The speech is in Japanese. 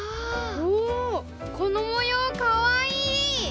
おおこのもようかわいい！